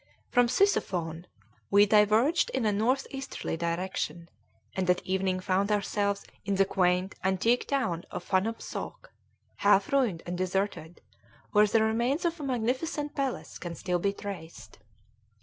From Sisuphon we diverged in a northeasterly direction, and at evening found ourselves in the quaint, antique town of Phanomsôk, half ruined and deserted, where the remains of a magnificent palace can still be traced.